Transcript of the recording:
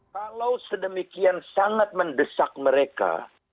kalau sedemikian sangat mendesak mereka